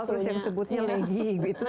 terus yang disebutnya leggy gitu